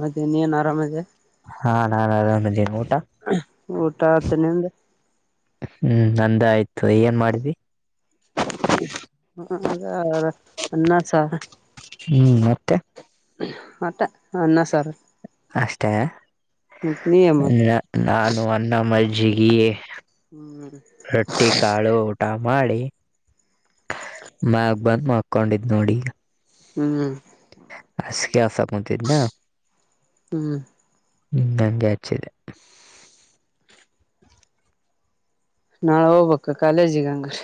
ಮತ್ತೆ ನೀನ್ ಆರಾಮಿದೆ ಹಾ ನಾನ್ ಆರಾಮಿದ್ದೀನಿ ಊಟ ಊಟ ಆತ ನಿಂದ್ ಹ್ಮ್ ನಂದ ಆಯ್ತು ಏನ್ ಮಾಡಿದಿ ಹ ಅದೇ ಅನ್ನ ಸಾರು ಹ್ಮ್ ಮತ್ತೆ ಮತ್ತೆ ಅನ್ನ ಸಾರು ಅಷ್ಟೇ ಏನ್ ಮಾಡ ನಾನು ಅನ್ನ ಮಜ್ಜಿಗೆ ಹ್ಮ್ ರೊಟ್ಟಿ ಕಾಳು ಊಟ ಮಾಡಿ ಬಂದಮಲ್ಕೊಂಡಿದು ನೋಡಿ ಹ್ಮ್ [unintelligible] ಆಡ್ತಾ ಕುಂತಿದ್ನ ಹ್ಮ್ ಹಂಗೆ ಹಚ್ಚಿದ್ದೆ ನಾಳೆ ಹೋಗ್ಬೇಕ ಕಾಲೇಜಿಗೆ ಹಂಗರೆ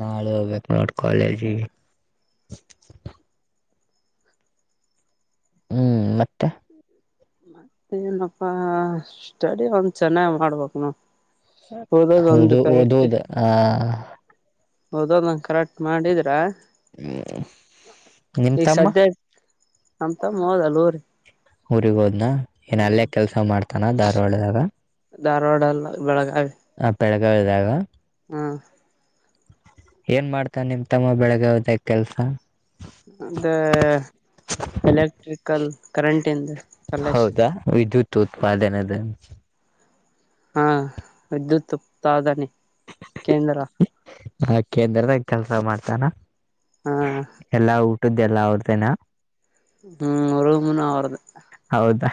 ನಾಳೆ ಹೋಗಬೇಕು ನೋಡು ಕಾಲೇಜಿಗೆ ಹ್ಮ್ ಮತ್ತೆ ಮತ್ತ ಏನಪ್ಪಾ ಸ್ಟಡಿ ಒಂದ್ ಚೆನ್ನಾಗ್ ಮಾಡ್ಬೇಕ್ ನೋಡು ಹೌದು ಹೌದುದು ಆ ಹೌದಹೌದು ನಂಗ ಕರೆಕ್ಟ್ ಮಾಡಿದ್ರಾ ಹ್ಮ್ ನಿಮ್ಮ ತಮ್ಮ ನನ್ನ ತಮ್ಮ ಹೋದ ಊರಿಗ್ ಹೋದ್ನಾ ಏನ ಅಲ್ಲೇ ಕೆಲ್ಸ ಮಾಡ್ತಾನ ಧಾರವಾಡದಾಗ ಧಾರವಾಡ ಅಲ್ಲ ಬೆಳಗಾವಿ ಆ ಬೆಳಗಾವಿದಾಗ ಹಾಂ ಏನ್ ಮಾಡ್ತಾನೆ ನಿಮ್ ತಮ್ಮ ಬೆಳಗಾವಿದಾಗ ಕೆಲ್ಸ ಅಂದೇ ಎಲೆಕ್ಟ್ರಿಕಲ್ ಕರೆಂಟ್ಯಿಂದು ಕಲಶ ಉತ್ಪದನೆನ್ ಹಾ ವಿದ್ಯುತ್ ಉತ್ಪಾದನೆ ಕೇಂದ್ರ ಆ ಕೇಂದ್ರದಾಗ ಕೆಲ್ಸ ಮಾಡ್ತಾನ ಹಾ ಊಟದು ಎಲ್ಲಾ ಅವರದೇನಾ ಹ್ಮ್ ರೂಮುವೆ ಅವ್ರ್ದೆ ಹೌದಾ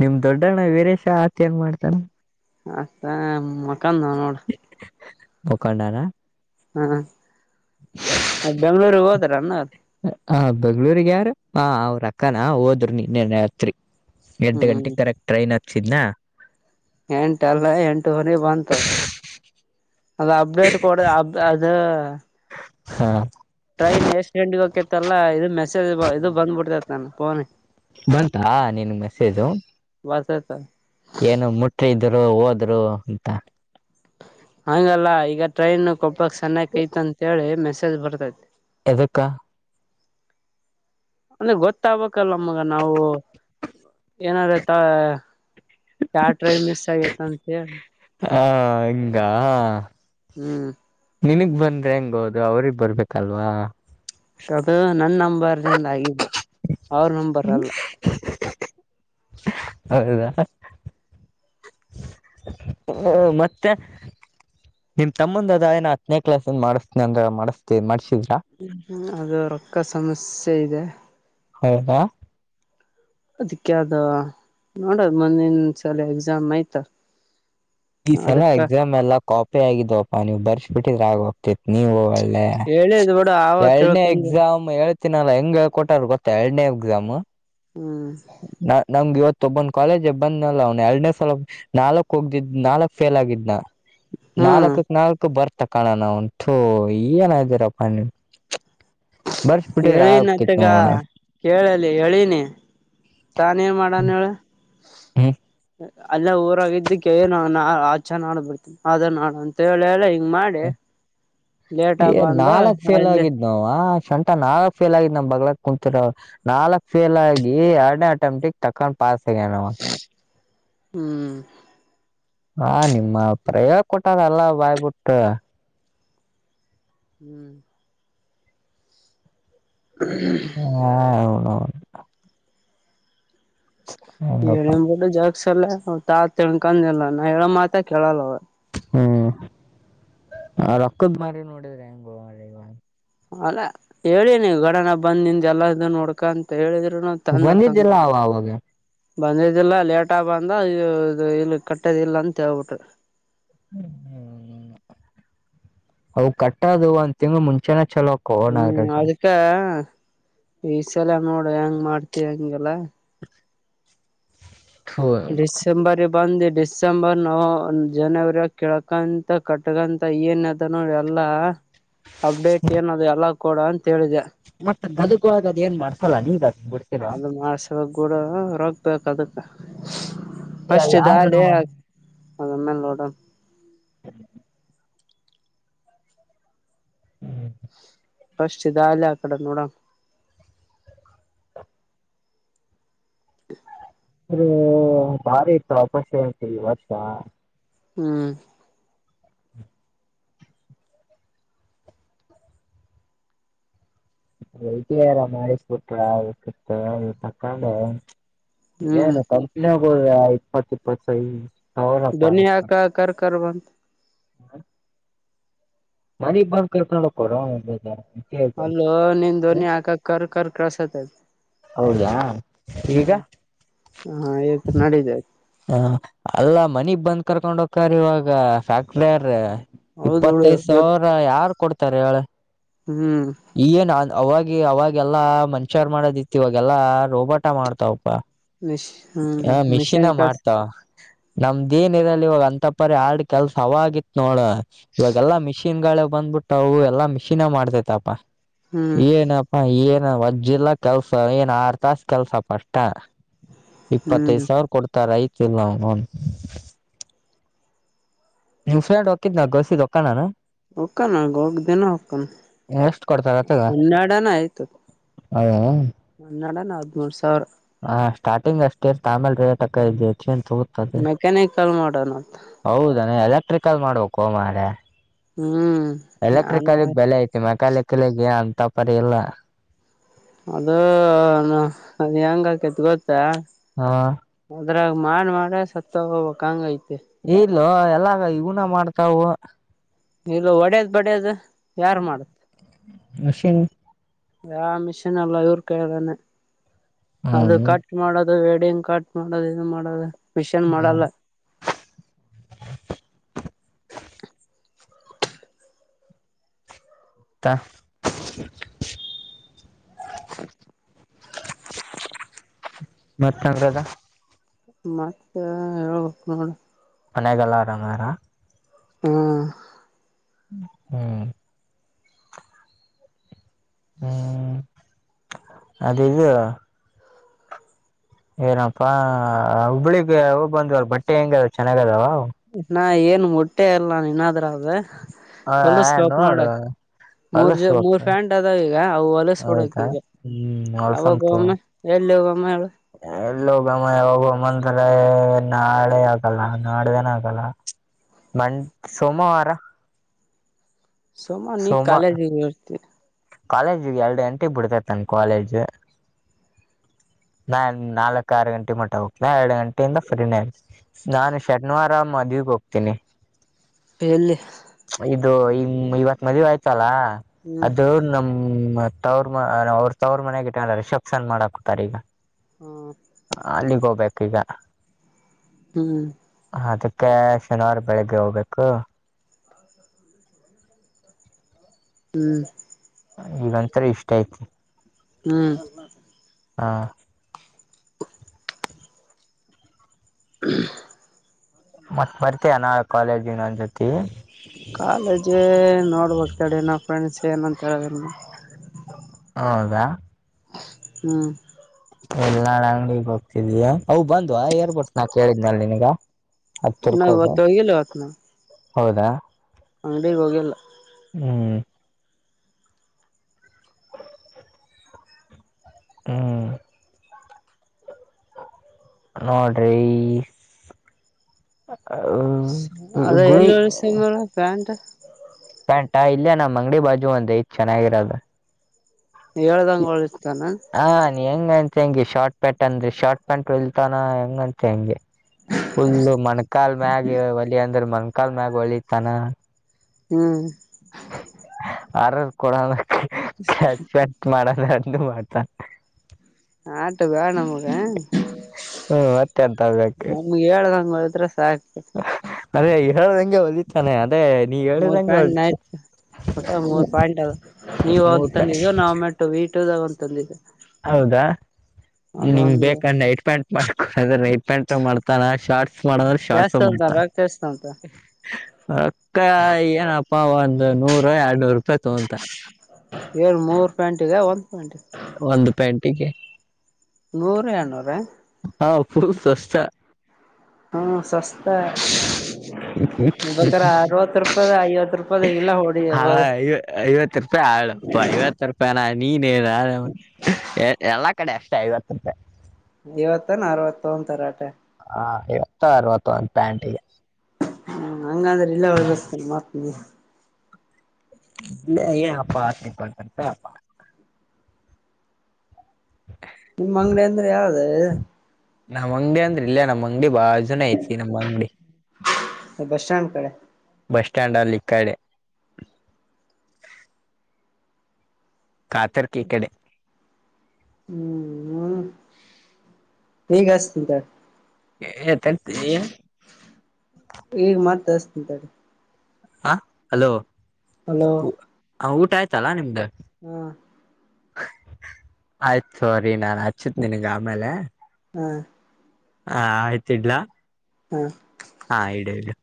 ನಿಮ್ ದೊಡ್ಡಣ್ಣ ವೀರೇಶ ಆತ ಏನ್ ಮಾಡ್ತಾನ ಆತ ಮಕ್ಕದನ ನೋಡು ಮುಖಂಡಾರ ಹಾ ಮ ಬೆಂಗಳೂರಿಗೆ ಹೋದಾರ ಅ್ಣ ಹ ಬೆಂಗಳೂಗ ಯಾರು ಹ ಅವ್ರ ಅಕ್ಕಾನ ಹೋದ್ರರು ನಿನ್ನೆನ ಹತ್ರಿ ಎಂಟು ಹ್ಮ್ ಗಂಟೆಗೆ ಕರೆಕ್ಟ್ ಟ್ರೈನ್ ಹಚ್ಚಿದ್ನಾ ಎಂಟಲ್ಲ ಎಂಟ ನಿ ಬಂತದ ಅದು ಅಪ್ಡೇಟ್ ಕೊಡ ಅ ಅದ ಹಾ ಟ್ರೈನ್ ಎಷ್ಟಂಡಿಗೆ ಹೋಗಕಿತ್ತಲ್ಲ ಇದು ಮೆಸೇಜ್ ಇದು ಬಂದ್ಬಿಡ್ತೇತ್ ನನ್ ಫೋನ್ ಬಂತಾ ನಿನ್ ಮೆಸೇಜು ಬರ್ತೈತ ಏನು ಮುಟ್ಟಿದ್ರು ಹೋದ್ರು ಅಂತ ಹಂಗಲ್ಲ ಈಗ ಟ್ರೈನ್ ಕೊಪ್ಪಕ್ ಸಣಯಕ್ತಂತೇಳಿ ಮೆಸೇಜ್ ಬರ್ತೈತಿ ಎದಕ್ಕಾ ಅಂದ್ರೆ ಗೊತ್ತಾಗಬೇಕಕ್ಲ್ಲಮ್ಮಗ ನಾವು ಏನಾರ ತ ಚಾರ್ ಮಸ್ ಆತಂತ ಹಾ ಹಂಗ ಹ್ಮ್ ನಿನಗ್ ಬಂದ್ರೆ ಹೆಂಗ ಹೋದು ಅವ್ರಗ್ ಬರ್ಬೇಕಲ್ವಾ ಅದು ನನ್ ನಂಬರ್ ನಿಂದ ಆಗಿದ್ದ ಅವ್ರ ನಂಬರ್ ಅಲ್ಲ ಹೌದಾ ಹ ಮತ್ತೆ ನಿಮ್ ತಮ್ಮಂದದ ಏನ ಹತ್ತನೇ ಕ್ಲಾಸ್ದ ಮಾಡಿಸಸ್ತನನೆ ಅಂದ್ರ ಮಾಡಿಸಸ್ತೇ ಮಾಡ್ಸಿದಿ ಹ್ಮ ಅದು ರೊಕ್ಕ ಸಮಸ್ಯೆ ಇದೆ ಹೌದಾ ಅದಕ್ಕೆದ ನೋಡದ ಮುಂದಿನಸಲ ಎಕ್ಸಾಮ್ ಆಯ್ತ ಈ ಸಲ ಅದಕ್ಕ ಎಕ್ಸಾಮ್ ಎಲ್ಲ ಕಾಪಿ ಆಗಿದವಪ್ಪಾ ನೀವ್ ಬರ್ಸಿ ಬಿಟ್ಟಿದ್ರ ಆಾಗ ಹೋಗ್ತಿತಿ ನೀವ್ ಹೋಗಲ್ ಹೇಳಿದ್ ಬಿಡು ಆವ ಎನೇ ತಿಳ್ಕೊಂಡ ಎಕ್ಸಾಮ್ ಹೇಳ ಗತ್ತಿನಲ್ಲ ಹೆಂಗ್ ಹೇಳ್ಕೊಟ್ಟಾರ ಗೊತ್ತ ಎರಡನೇ ಎಕ್ಸಾಮ್ ಹ್ಮ್ ನ ನಮ್ಗೆ ಇವತ್ತು ಒಬ್ಬೊಂದ ಕಾಲೇಜ್ ಬಂದ್ಲ್ ಅವ್ನ ಎರಡ್ನೇ ಸಲ ನಾಕಕ್ ಹೋಗ್ದಿದ್ ನಾಲ್ಕಕ್ ಫೇಲ್ ಆಗಿದ್ನ ಹ್ಮ್ ನಾಲ್ಕಕ್ ನಾಲ್ಕ ಬರ್ತ ತಕಾಣಣ ಉಂಟು ಏನ ಇದ್ದೀರಪ್ಪ ನೀವು ಹೇಳನತ್ತಗ ಕೇಳಲಿ ಹೇಳನಿ ತಾನೇನ್ ಮಾಡನ್ ಹೇಳ ಹ್ಮ ಅಲ್ಲ ಊರಾಗಿದ್ದಕ್ಕೆ ನ ಆಚೆ ನಾ ಬಿಡ್ತೀನಿ ಅ ನಾ ಅಂತ ಹೇಳ ಹೇಳಿ ಮಾಡೆ ಏ ನಾಲ್ಕ್ ಫೇಲ್ ಆಗಿದ್ ನಾವ್ ಶಂಟಾ ನಾಲ್ಕ್ ಫೇಲ್ ಆಗಿದ್ ನಮ್ ಬಗ್ಲಕ್ ಕುಂ ನಾಲ್ಕಕ್ ಫೇಲ್ ಆಗಿ ಎರಡನೇ ಆಟೋಮೆಟಿಕ್ ತಕೊಂಡ್ ಪಸ್ ಆಗ್ಯನವ ಹ್ಮ್ ಹಾ ನಿಮ್ಮ ಪ್ರಯೋಗ ಕೊಟ್ಟದಲ್ಲ ಬಾಯ್ಬಿಟ್ಟ ಹ್ಮ್ ಹಾ ಹೌನೌ ಹೆಂಗಪ್ಪ ನ್ ಬಿಟ್ಟು ಜಾಗಸಲ್ಲ ಅವ ತಾ ತಿನ್ಕೊಂಡಿಲ್ಲ ನಾ ಹೇಳ ಮಾತ ಕೇಳಲ್ಲ ಅವ... ಹ್ಮ್ ಆ ರೊಕ್ಕದ ಮಾರಿ ನೋಡಿದ್ರೆ ಹೆಂಗ ಗೋವ... ಅಲ್ಲ ಹೇಳಿ ನೀವು ಗಡನ ಬಂದ್ ನಿಂದ ಎಲ್ಲ್ ನೋಡ್ಕ ಅಂತ ಹೇಳಿದ.. ತಂದ ತಂದ... ಬಂದಿದ್ದಿಲ್ಲ ಅವ ಅವಾಗ ಬಂದ್ದಿಲ್ಲ ಲೇಟ್ ಆಗ ಬಂದ ಇ ಇಲ್ಲಿ ಕಟ್ಟದ ಇಲ್ಲ ಅಂತ ಹೇಬಿಟ್. ಹ್ಮ್ ಹ್ಮ್ ಹ್ಮ್ [inaudible] ಅವು ಕಟ್ಟದು ಅಂತ ತಿಂಗ ಮುಂಚೆನ... ಚಲೋ ಕೋಣ ಹ್ಮ್ ಇರತ್ತೆ ಅದ್ಕ ಈ ಸಲಯ ನೋಡ ಹೆಂಗ ಮಾಡ್ತಿ ಹಂಗೆಲ್ಲ... ಡಿಸೆಂಬರ ಬಂದ. ಡಿಸೆಂಬರ್ ನವಂಬರ್ ಜನವರಿ ಕೆಳ್ಕಂತ ಕಟ್ಟಕಂತ ಏನ್ದ ನೋ ಎಲ್ಲ... ಅಪ್ಡೇಟ್ ಏನದೆ ಎಲ್ಲಾ ಕೊಡು ಅಂತ ಹೇಳಿದೆ. ಮತ್ತ್ ಗದುಕ ಹೋಗಕ್ಕ ಅದ್ ಏನ್ ಮಾಡ್ಸಲ್ಲಾ ನೀವ್ ಅದ ಮಾಡಸುವಾಗ ಕೂಡ ರಕ್ತ ಹೊಯಿತ್ ಅದಕ್... ಪಸ್ಟ್ ಯಾವ್ದಾರ ಇದಾಲಿ ಅಮ್ಮೇಲ್ ನೋಡಣ.. ಹ್ಮ್... ಪಾಶ್ಟ್ ಇರಾನಿ ಆಕಡೆ ನೋಡಣ. ಸರಿ ಭಾರಿ ಇತ್ತು ಅಪಶೆ ಈ ವರ್ಷ... ಹ್ಮ್.. ಇದಾರ ಮಾಡಿಸ್ಬಿಟ್ರ ಅ ಕತ್ ತಕೊಂಡು. ಹ್ಮ್ ಏನು ಕಂಪನಿಯಾಗು ಇಪ್ಪತ್ತು ಇಪ್ಪತ್ತು ಸೈ... ಡೆಲ್ಲಿ ಯಾಕ್ ಕಾರ್ ಕಾರ್ ಬಂದ್ ಹಾ [unintelligible] ಮನಿಗ್ ಬಂದ ಕರಕೊಂಡು ಹೋಗಕೂಡದ್ದ ಒಂದ್ ಅಲ್ಲೋ ನಿನ್ ಧ್ವನಿ ಹಾಕಕ ಕರ್ ಕರ್ ಕಾಸ್ ಹೊತ್ತೈತೆ ಹೌದಾ ಈಗ. ಹಾ ಈಗ ನಡಿದೆ ಹ ಅಲ್ಲಾ ಮನಿಗ್ ಬಂದ್ ಕರ್ಕೊಂಡ ಹೋಗಕ್ಕ ಇವಾಗ ಫ್ಯಾಕ್ಟ್ರ್ರ... ಹೌದು ಇಪ್ಪತ್ತೈದು ಇವತ್ತು ಸಾವಿರ ಯಾರು ಕೊಡ್ತಾರೆ ಹೇಳ ಹ್ಮ್ [inaudible] ಅವಾಗ ಅವಾಗೆಲ್ಲಾ ಮನಚರ್ ಮಾಡೋದಿತ್ತು ಇವಾಗೆಲ್ಲಾ ರೋಬೋಟ ಮಾಡ್ತಾವ.... ಹ ಮಿಶ್ ಹ್ಮ್ ಏ ಮಿಷಿನೆ ಮಿಷನ್ ಕಸ್ ಮಾಡ್ತಾವ. ನಮ್ದ ಏನ್ ಇರಲ್ಲಿ ಇವ ಅಂತಪರಿ ಹಾರ್ಡ ಕೆಲಸ ಅವವಾಗಿತ್ ನೋಡ ಇವಾಗೆಲ್ಲಾ ಮಿಷಿನ್ ಗಳು... ಬಂದ್ಬಿಟ್ಟವು ಎಲ್ಲಾ ಮಿಶಿನೆ ಮಾಡ್ತೇತಪ್ಪ ಹ್ಮ್ ಏನಪ್ಪಾ ಏ... ವಜ್ಜಿಲ್ಲ ಕೆಲಸ ಏನ್ ಆರು ತಾಸ ಕೆಲ್ಸ ಅಷ್ಟೇ ಹ್ಮ್ ಇಪ್ಪತ್ತೈದು ಸಾವಿರ ಕೊಡ್ತಾರ ಐದ್ ತಿಂಗಳ ಲೋನ್.. ನೀನ್ ಪ್ರೇಂಡ್ ಹೊಕ್ಕಿದನ ನಾನ್ ಬಸ್ಸಿಗೆ ಹೋಕನನ್ ಹೋಕನ ಆಗ ಹೋಗ್ದನ ಹೋಕ್ಕನ ಎಷ್ಟ್ ಹನ್ನೆರಡನೆ ಆಯ್ತು. ಹೌದ ಹನ್ನೇರಡು ಹದಿಮೂರಸಾವಿರ. ಹಾ ಸ್ಟಾರ್ಟಿಂಗ್ ಅಷ್ಟೇ ಆಮೇಲೆ ರೇಟ್ ಅಕೈತಿ.. ತೆಂಚ್ ಓದುತ್ತಾ ಇದೆ ಮೆಕ್ಯಾನಿಕಲ್ ಮಾಡೋಣ ಅಂತ ಹೌದೇನೊ ಎಲೆಕ್ಟ್ರಿಕಲ್ ಮಾಡ್ಬೇಕು ಮಾರಯ.. ಹ್ಮ್ ನಾನು ಎಲೆಕ್ಟ್ರಿಕಲಿಗ್ ಬೆಲೆ ಐತಿ ಮೆಕ್ಯಾನಿಕಲಿಗೆ ಏ ಅಂತ ಪರಿ ಇಲ್ಲ.. ಅದು ನಾ ಹೆಂಗ ಆಕೇತೈತ್ ಗೊತ್ತಾ? ಹ ಅದ್ರಾಗ ಮಾಡ್ ಮಾಡ ಸತ್ತಗೋ ಬೇಕಂಗ್ ಐತೆ. ಇಲ್ಲ ಎಲ್ಲಾ ಇವುನ ಮಾಡ್ತಾವು. ಇಲ್ಲ ಒಡ್ಯದ್ ಬಡ್ಯಿಯದ್ ಯಾರ್ ಮಾಡತ್ ಮಷಿನ್ ಯಾ ಮಿಷಿನ್ ಅಲ್ಲ ಇವ್ರ ಕಾಯಗಾನೆ ಅದು ಹ್ಮ್ ಕಟ್ ಮಾಡದು ಅ ವೇಡನ್ ಕಾಟ್ ಮಾಡದು ಇದ್ ಮಾಡದು ಮಿಷನ್ ಮಾಡಲ್ಲ. [inaudible] ಮತ್ತ್ ಮತ್ತ್ ಯಂಗದ ಮತ್ತೆ ಹೇಳ್ಬೇಕ್ ನೋಡೋ ಮನೆಗೆಲ್ಲ ಆರಾಮಾರ ಹ್ಮ ಹ್ಮ ಹ್ಮ್ ಅದು ಇದ್ ಏನಪ್ಪಾ ಹುಬ್ಬಳಿಗೆ ಹೋಗಿ ಬಂದಲ್ಲ ಬಟ್ಟೆ ಹೆಂಗದ ಚೆನ್ನಾಗ ಅದಾವ ಇನ್ನ ಏನ್ ಮುಟ್ಟೆ ಅಲ್ಲ ಇನ್ನಾದ್ರಾಗ ಹಾ ನೋಡು ಮೂರ್ ಜ ಹೊಲಸ್ಬೇಕ ಮೂರ ಫ್ಯಾಂಟ್ ಅದ ಈಗ ಅವ ಹೊಲಸಬಿಡಬೇಕ ಹೌದಾ ಈ ಗ ಹ್ಮ್ ಯಾವಾಗ ಗೊಮ್ಮಎಲ್ಲಿ ಎಲ್ಲಿ ಗಮ್ ಹೇಳು. ಎಲ್ಲ ಹೋಗಮ್ಮು ಯಾವಾಗ ಅಂತ ನಾಳೆ ಆಗಲ್ಲ ನಾಡ್ದನ ಆಗಲ್ಲ ಮಂತ್ ಸೋಮವಾರ ಸುಮ ನೀ ಕಾಲೇಜಿಗೆರ್ತೀ. ಕಾಲೇಜಗ ಎರಡ ಗಂಟ ಬಿಡ್ತೇತ ನನ್ನ ಕಾಲೇಜ್ [inaudible] ನಾನ ನಾಲ್ಕ ಆರ ಗಂಟೆ ಮಟ್ಟ ಹೋಗ್ಲ ಎರಡ ಗಂಟೆಯಿಂದ ಫ್ರೀನೇ ನಾನ ಶನಿವಾರ ಮಧ್ಯಾ ಗಿ ಹೋಗ್ತೀನಿ. ಎಲ್ಲಿ ಇವತ್ ಇಮ್ ಮದ್ವಿ ಆಯ್ತಲ್ಲ ಹ್ಮ್ ಅದು ನಮ ಹ್ಮ ಮತ್ ತವ್ರ ಅವ್ರ ತವ್ರ ಮನೆಗಿಟ್ಟಲ್ಲ ರಿಸೆಪ್ಷನ್ ಮಾಡಕತರ ಈಗ ಹ್ಮ್ ಅಲ್ಲಿಗ ಹೋಗ್ಬೇಕ ಈಗ ಹ್ಮ. ಅದಕ್ಕ ಶನಿವಾರ ಬೆಳಿಗ್ಗೆ ಹೋಗ್ಬೇಕು. ಹ್ಮ. ಈಗಂತರ ಇಷ್ಟ ಐತಿ. ಹ್ಮ. ಹಾ [inaudible] ಮತ್ತ ಬರ್ತಯ ನಾಳಿ ಕಾಲೇಜಿಗ ನನ್ನ ಜೊತಿ ಕಾಲೇಜ್ ನೋಡ್ಬಕ್ತಾಡ ನ ಪೆಂಡ್ಸ್ ಏನಂತದ ಹೌದಾ ಹ್ಮ. ಎಲ್ಲಾ ಅಂಗಡಿಗೆ ಹೋಗ್ತಿದಯ ಅವು ಬಂದ್ವಾ ಏರ್ಪೋರ್ಟ್ಸ್ ನ ಕೇಳಿದ್ನಲ್ಲ ನೀನಗ ನಾ ಇವತ್ತ ಹೋಗಿಲ್ಲ ಇವತ್ನ ನಾ ಹೌದಾ ಅಂಗಡಿಗ ಹೋಗಿಲ್ಲ. ಹ್ಮ. ಹ್ಮ. ನೋಡ್ರೀ. ಆದ ಎಲ್ಲ ಸಿ ಹೇಳು ಪ್ಯಾಂಟ್ ಪ್ಯಾಂಟಾ ಇಲ್ಲೆ ನಮ್ಮ ಅಂಗಡಿ ಬಾಜು ಒಂದ ಐತಿ ಚೆನ್ನಾಗಿರೋದ. ಹೇಳ್ದಂಗ ಒಳಿರ ಹಾ ನಿ ಹೆಂಗಂತಿ ಹಂಗೆ ಶಾರ್ಟ್ ಪ್ಯಾಂಟ್ ಅಂದ್ರ ಶಾರ್ಟ್ ಪ್ಯಾಂಟ್ ಹೊಲಿತಾನ ಹೆಂಗಂತಿ ಹಂಗೆ ಫುಲ್ ಮಣಕಾಲ ಮ್ಯಾಗ ಒಲಿ ಅಂದ್ರ ಮಣಕಾಲ ಮ್ಯಾಗ ಒಲಿತಾನ. ಹ್ಮ. ಆರದ ಕೊಡಣಕ ಕ್ಯಾಚ್ ತ ಮಾಡಹಣ ಅಂದ್ರ ಮಾಡತ್ತ ತ ಆಟ ಬ್ಯಾಡ ನಮ್ಗ ಹ್ಮ್ ಮತ್ತೆ ಅಂತ ಹೋಗಬೇಕು ನಮ್ಗ ಹೇಳಂಗ ರಸಾ ಅದೇ ಹೇಳದಂಗೆ ಹೊಲಿತಾನೆ ಅದೇ ನೀ ಹೇಳಿದಂಗ ಹೊಲಿತ ಓಟ್ಟ ಮೂರ್ ಪ್ಯಾಂಟ್ ಆವಾ ನೀವ ಒ ಮೂರ್ ಪ್ಯಾ ತಂದಿದ್ದ ನಾವು ಮೆಟ್ಟು ವೀಟದಾಗಂತ ತಂದಿದ್ದ. ಹೌದಾ ನಿಂಗ ಅದೊಂದು ಬೇಕಾ ನೈಟ್ ಪ್ಯಾಂಟ್ ಮಾಡ್ಕೊದ್ರ ಪ್ಯಾಂಟ ಮಾಡ್ತಾನ ಶಾರ್ಟ್ಸ್ ಮಾಡಂದ್ರ ಶಾರ್ಟ್ಸ್ ಜಾಸ್ತಿ ಅಂತ ಮಾಡ್ತಾನ. ರೊಕ್ಕ ಎಷ್ಟ ಅಂತ ಅತ್ತ ಏನಪ್ಪ ಒಂದ ನೂರ ಎರಡ್ನೂರು ರೂಪಾಯಿ ತಗೊಂತ ಏ ಮೂರ್ ಪ್ಯಾಂಟ ಇಗ ಒಂದ ಒಂದ ಪ್ಯಾಂಟಿಗೆ ನೂರ ಎನೂರ ಹಾ ಪ ಸಸ್ತಾ ಹಾ ಸಸ್ತೆ. ಬೇಕರ ಅರವತ್ತು ರೂಪಾಯದ ಐವತ್ತು ರೂಪಾಯದ ಇಲ್ಲ ಹೊಡಿ ಬ ತಾಳಪ್ಪ ಐವತ್ತು ರೂಪಾಯನ [unintelligible] ಎಲ್ಲಾ ಕಡೆ ಎಷ್ಟ ಐವತ್ತು ರೂಪಾಯ್. ಇವತ್ತಾನ ಅರವತ್ತು ಅಂತರ. ಹಾ [unintelligible] ಅರವತ್ತು ಒಂದು ಪ್ಯಾಂಟಿಗೆ. ಹ್ಮ್ ಹಂಗಾದ್ರೆ ಇಲ್ಲೆ ಒಳಗಸ್ತೀನ್ ಮಾತ್ನಿ [unintelligible] ನಿಮ್ಮ್ ಅಂಗ್ಡಿ ಅಂದ್ರೆ ಯಾವ್ದು? ನಮ್ಮ್ ಅಂಗ್ಡಿ ಅಂದ್ರೆ ಇಲ್ಲೇ ನಮ್ಮ್ಂಗ ಅಂಗಡಿ ಬಾಜುನ ಐತಿ ನಮ್ ಅಂಗ್ಡಿ. ಬಸ್ ಸ್ಟ್ಯಾಂಡ್ ಕಡೆ ಬಸ್ಟ್ಯಾಂಡ್ ಅಲ್ಲಿಕ್ಕಡೆ. ಕಾತರ್ಕಿಕಡೆ. ಹ್ಮ್ ಹ್ಮ ಈಗಸ್ತಿ ಏ ತ ತಸ್ತ [unintelligible] ಹ ಹಲೋ ಹಲೋ ಹ ಊಟ ಆಯ್ತಲ ನಿಮ್ದು. ಹ್ಮ ಆಯ್ತ್ ತೊಗೊರಿ ನಾ ಹಚ್ಚತ್ ನಿನ್ಗೆ ಆಮೇಲೆ. ಹಾ ಹಾ ಆಯ್ತ್ ಇಡ್ಲಾ. ಹಾ ಹಾ ಇಡ ಇಡು.